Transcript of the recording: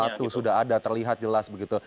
satu sudah ada terlihat jelas begitu